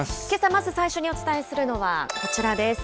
まず、最初にお伝えするのはこちらです。